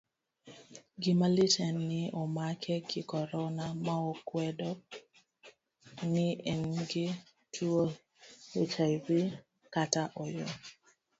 Gimalit en ni omake gi corona maokdewo ni engi tuwo hiv kata ooyo.